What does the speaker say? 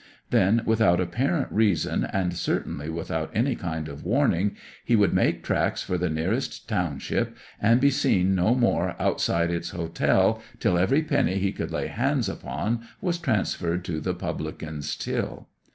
Then, without apparent reason, and certainly without any kind of warning, he would make tracks for the nearest township, and be seen no more outside its "hotel" till every penny he could lay hands upon was transferred to the publican's till.